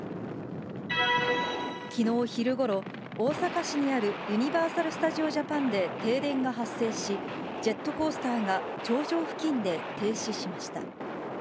きのう昼ごろ、大阪市にあるユニバーサル・スタジオ・ジャパンで停電が発生し、ジェットコースターが頂上付近で停止しました。